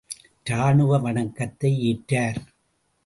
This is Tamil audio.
ராணுவ வணக்கத்தை ஏற்றார்.